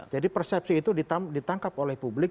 jadi persepsi itu ditangkap oleh publik